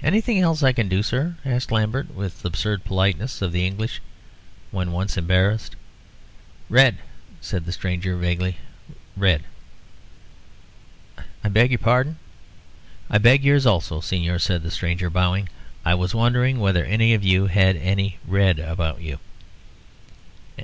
"Anything else I can do, sir?" asked Lambert, with the absurd politeness of the Englishman when once embarrassed. "Red," said the stranger, vaguely, "red." "I beg your pardon?" "I beg yours also, Señor," said the stranger, bowing. "I was wondering whether any of you had any red about you."